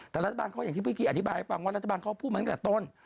แต่รัฐบาลเขาอย่างที่เมื่อกี้อธิบายให้ฟังว่ารัฐบาลเขาพูดมาตั้งแต่ต้น